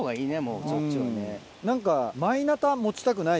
何か。